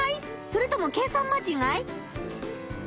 それとも計算間違い？